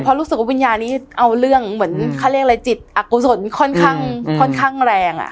เพราะรู้สึกว่าวิญญาณนี้เอาเรื่องเหมือนเขาเรียกอะไรจิตอักกุศลค่อนข้างแรง